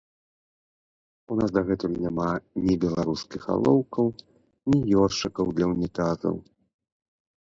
У нас дагэтуль няма ні беларускіх алоўкаў, ні ёршыкаў для ўнітазаў.